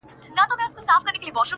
خو تر مرګه یې دا لوی شرم په ځان سو-